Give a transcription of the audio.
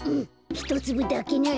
ひとつぶだけなら。